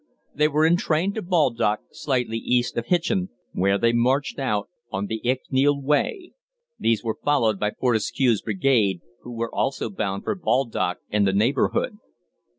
They were entrained to Baldock, slightly east of Hitchin, where they marched out on the Icknield Way. These were followed by Fortescue's Brigade, who were also bound for Baldock and the neighbourhood.